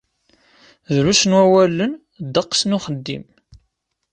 Drus n wawalen, ddeqs n uxeddim.